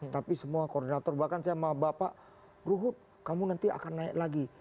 tapi semua koordinator bahkan saya sama bapak ruhut kamu nanti akan naik lagi